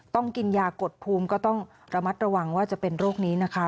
ต้องกินยากดภูมิก็ต้องระมัดระวังว่าจะเป็นโรคนี้นะคะ